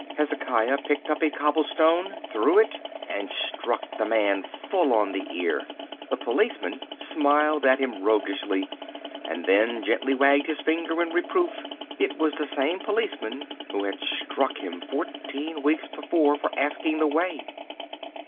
Hezekiah picked up a cobblestone, threw it, and struck the man full on the ear. The policeman smiled at him roguishly, and then gently wagged his finger in reproof. It was the same policeman who had struck him fourteen weeks before for asking the way.